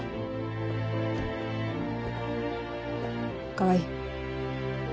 川合。